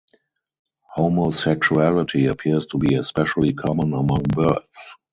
Homosexuality appears to be especially common among birds.